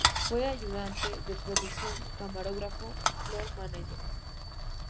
Fue ayudante de producción, camarógrafo y "floor manager".